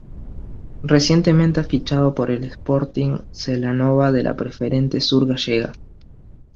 Recientemente ha fichado por el Sporting Celanova de la Preferente Sur Gallega.